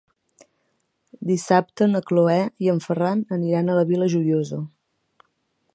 Dissabte na Cloè i en Ferran aniran a la Vila Joiosa.